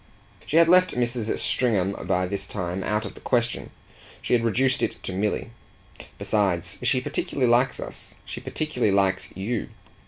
She had left Mrs. Stringham by this time out of the question; she had reduced it to Milly. "Besides, she particularly likes us. She particularly likes YOU.